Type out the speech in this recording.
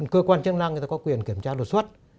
cơ quan chức năng có quyền kiểm tra đột xuất